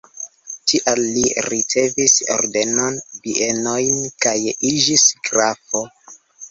Tial li ricevis ordenon, bienojn kaj iĝis grafo.